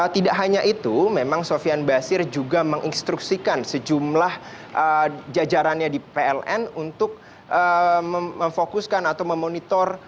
tidak hanya itu memang sofian basir juga menginstruksikan sejumlah jajarannya di pln untuk memfokuskan atau memonitor